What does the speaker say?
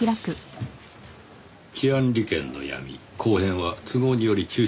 「治安利権の闇後編は都合により中止します」